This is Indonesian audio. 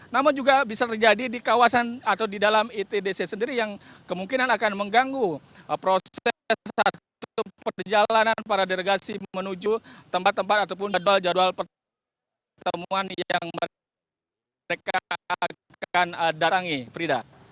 namun juga bisa terjadi di kawasan atau di dalam itdc sendiri yang kemungkinan akan mengganggu proses satu perjalanan para delegasi menuju tempat tempat ataupun jadwal jadwal pertemuan yang mereka akan datangi frida